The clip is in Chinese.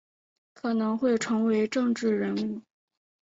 可能会成为政治人物